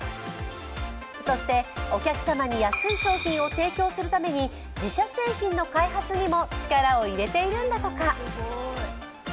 そして、お客様に安い商品を提供するために自社製品の開発にも力を入れているんだとか。